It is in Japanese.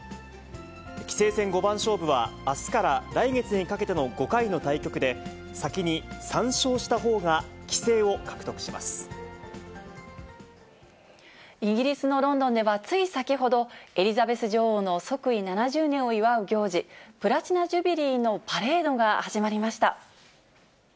棋聖戦五番勝負はあすから来月にかけての５回の対局で、先に３勝したほうが棋聖を獲得しイギリスのロンドンでは、つい先ほど、エリザベス女王の即位７０年を祝う行事、プラチナ・ジュビリーのパレードが始まりました。